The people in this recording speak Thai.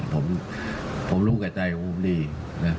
ผมผมรู้กับใจของผมดีนะ